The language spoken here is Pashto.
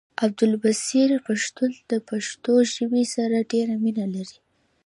عبدالبصير پښتون د پښتو ژبې سره ډيره مينه لري